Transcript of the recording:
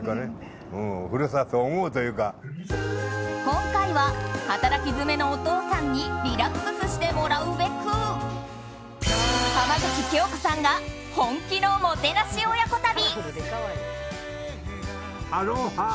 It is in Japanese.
今回は働きづめのお父さんにリラックスしてもらうべく浜口京子さんが本気のもてなし親子旅。